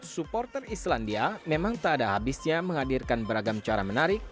supporter islandia memang tak ada habisnya menghadirkan beragam cara menarik